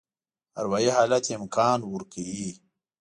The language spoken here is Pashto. اروایي حالت یې امکان ورکوي.